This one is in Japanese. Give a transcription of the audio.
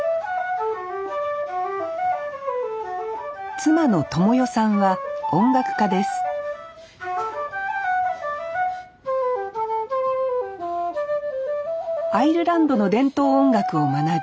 妻の知世さんは音楽家ですアイルランドの伝統音楽を学び